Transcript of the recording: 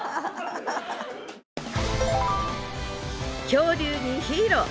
恐竜にヒーロー。